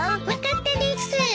分かったです。